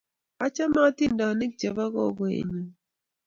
achame atindonik che bo kukuoe nyu.